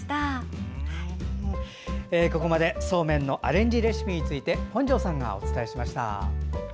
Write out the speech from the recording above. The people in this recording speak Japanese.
ここまでそうめんのアレンジレシピについて本庄さんがお伝えしました。